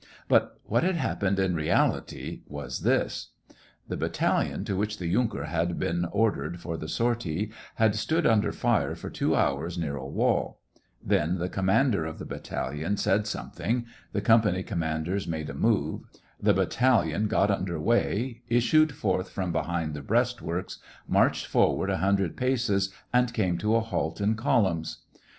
But what had happened in reality was this :— The battalion to which the yunker had been ordered for the sortie had stood under fire for two hours, near a wall ; then the commander of the battalion said something, the company com manders made a move, the battalion got under way, issued forth from behind the breastworks, marched forward a hundred paces, and came to a halt in columns.